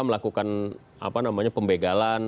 melakukan apa namanya pembegalan